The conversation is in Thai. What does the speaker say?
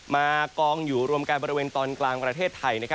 มากองอยู่รวมกันบริเวณตอนกลางประเทศไทย